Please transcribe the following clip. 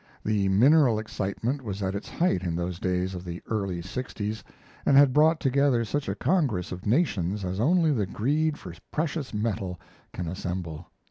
The mineral excitement was at its height in those days of the early sixties, and had brought together such a congress of nations as only the greed for precious metal can assemble.